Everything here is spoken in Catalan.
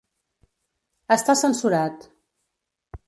Està censurat.